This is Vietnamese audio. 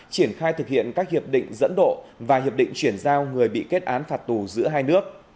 triển khai thực hiện các hiệp định dẫn độ và hiệp định chuyển giao người bị kết án phạt tù giữa hai nước